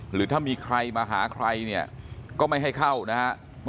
หรือถ้ามีใครมาหาใครเนี่ยก็ไม่ให้เข้านะฮะ